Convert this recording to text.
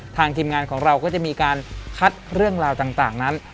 ทีมงานของเราก็จะมีการคัดเรื่องราวต่างนั้น